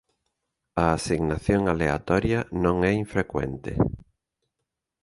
A asignación aleatoria non é infrecuente.